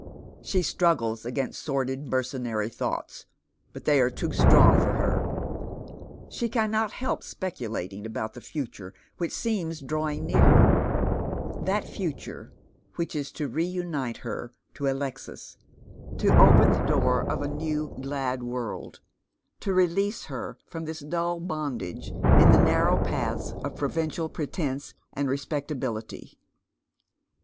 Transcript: She struggles against sordid, mercenary thoughts, but they are too strong for her. She cannot help speculating about the future which seems drawing nearer, that future which is to re unite her to Alexis — to open the door of a new glad world, to release her from this dull bondage in the narrow paths of provincial pretence and respectability.